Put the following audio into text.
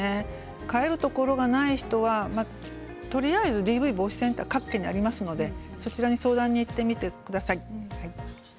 帰るところがない人はとりあえずＤＶ防止センターが各県にありますのでそこに行ってみてください。